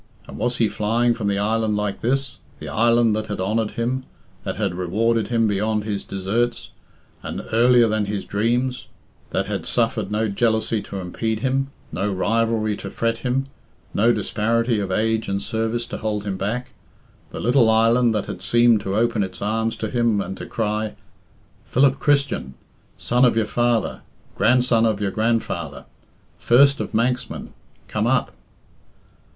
And was he flying from the island like this? The island that had honoured him, that had rewarded him beyond his deserts, and earlier than his dreams, that had suffered no jealousy to impede him, no rivalry to fret him, no disparity of age and service to hold him back the little island that had seemed to open its arms to him, and to cry, "Philip Christian, son of your father, grandson of your grandfather, first of Manxmen, come up!"